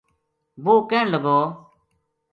وہ کہن لگو